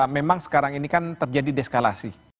memang sekarang ini kan terjadi deskalasi